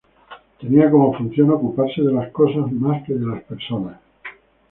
Tenía como función ocuparse de las cosas más que de las personas.